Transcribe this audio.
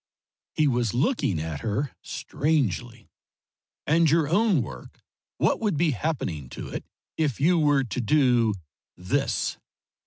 He was looking at her strangely. "And your own work what would be happening to it, if you were to do this?"